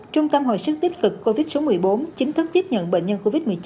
trung tâm hồi sức tích cực covid một mươi bốn chính thức tiếp nhận bệnh nhân covid một mươi chín